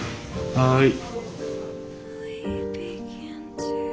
はい。